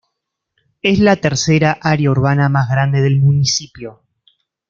Es la tercera área urbana más grande del municipio.